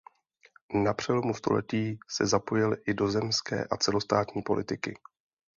Na přelomu století se zapojil i do zemské a celostátní politiky.